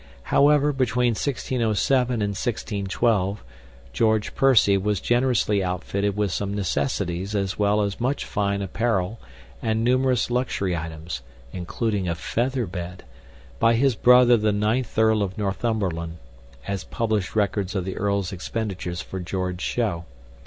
However, between 1607 and 1612, George Percy was generously outfitted with some necessities as well as much fine apparel and numerous luxury items (including a feather bed) by his brother the Ninth Earl of Northumberland, as published records of the Earl's expenditures for George show.